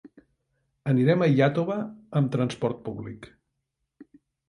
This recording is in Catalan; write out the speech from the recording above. Anirem a Iàtova amb transport públic.